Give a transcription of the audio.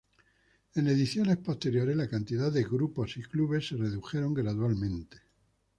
En ediciones posteriores, la cantidad de grupos y clubes se redujeron gradualmente.